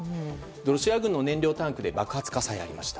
ロシア軍の燃料タンクで爆発火災がありました。